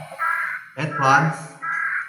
แอดวานส์